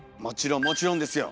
もちろんですよ！